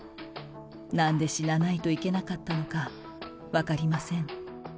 なんで死なないといけなかったのか、分かりません。